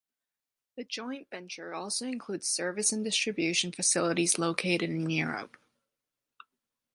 The joint venture also includes service and distribution facilities located in Europe.